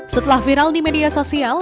setelah viral di media sosial